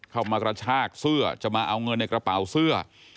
กระชากเสื้อจะมาเอาเงินในกระเป๋าเสื้อ